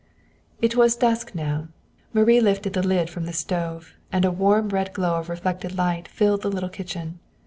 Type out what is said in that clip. It was dusk now. Marie lifted the lid from the stove, and a warm red glow of reflected light filled the little kitchen.